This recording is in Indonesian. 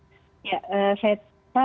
ya saya tidak ingin disampaikan